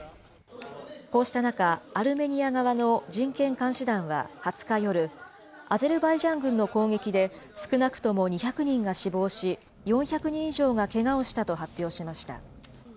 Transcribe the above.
こうした中、アルメニア側の人権監視団は２０日夜、アゼルバイジャン軍の攻撃で、少なくとも２００人が死亡し、４００人以上がけがをしたと発表しました。